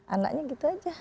anaknya gitu aja